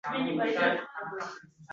Uzildi bor rishtalar